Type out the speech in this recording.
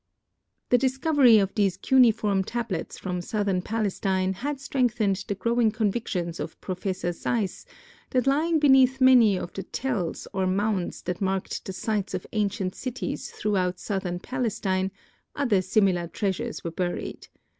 The discovery of these cuneiform tablets from southern Palestine had strengthened the growing convictions of Prof. Sayce that lying beneath many of the tels or mounds that marked the sites of ancient cities throughout southern Palestine, other similar treasures were buried.